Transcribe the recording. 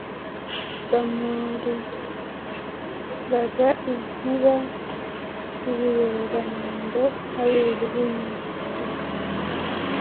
bamururaga inkuba Ibiyora-nyundo Abiru b’ imihisi :